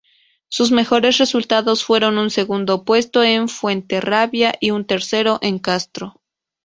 Sus mejores resultados fueron un segundo puesto en Fuenterrabía y un tercero en Castro.